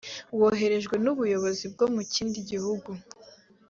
woherejwe n ubuyobozi bwo mu kindi gihugu